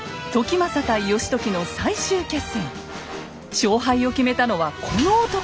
勝敗を決めたのはこの男。